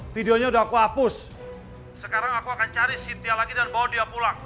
videonya udah aku hapus sekarang aku akan cari sintia lagi dan bawa dia pulang